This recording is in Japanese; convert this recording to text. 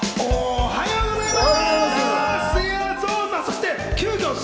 おはようございます！